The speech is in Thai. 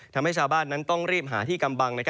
ทำให้ชาวบ้านนั้นต้องรีบหาที่กำบัง